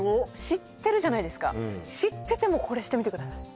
知ってるじゃないですか知っててもこれしてみてください